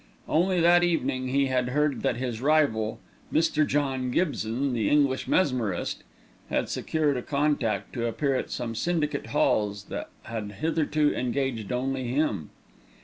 Only that evening he had heard that his rival, "Mr. John Gibson, the English Mesmerist," had secured a contract to appear at some syndicate halls that had hitherto engaged only him.